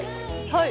はい。